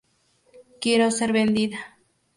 Quiero ser vendida.